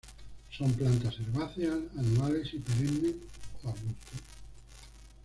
Son plantas herbáceas, anuales y perennes, o arbustos.